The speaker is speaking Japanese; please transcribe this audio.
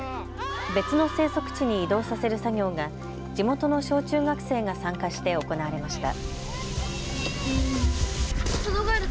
別の生息地に移動させる作業が地元の小中学生が参加して行われました。